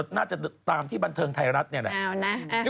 น่าจะตามที่บันเทิงไทยรัฐนี่แหละ